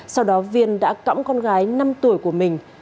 sau đó viên đã cõng con gái năm tuổi của mình